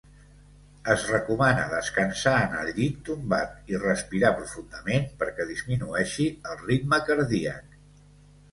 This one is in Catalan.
Es recomana descansar en el llit tombat i respirar profundament perquè disminueixi el ritme cardíac.